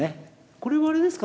これはあれですか？